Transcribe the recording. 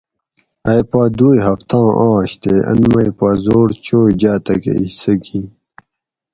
ائ پا دوئ ھفتاۤں آش تے ان مئ پا ذوڑ چوئ جاتکہۤ حصہ گِن